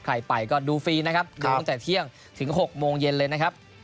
ใครไปก็ดูฟรีนะครับดูตั้งแต่เที่ยงถึง๖โมงเย็นเลยนะครับ